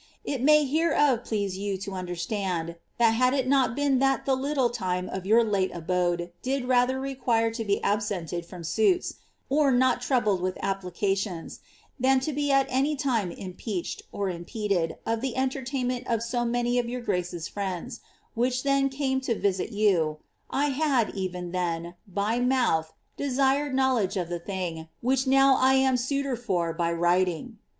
It may hereof pleaie you to nnderttaad, that had it not been that the little time of your late abode did rather require to be abiented from mdiM (mi hvathi wiik t^pH€9tiom$), than to be at any time te^Modbtf (impeded) of the eatmaia aiem of ao many of your graoe'e firiende, whi^ then oame to Tiiit yoo, I had, even then, by mouth, deiired knowledge of the things whioh now I am niior Ar by writing.'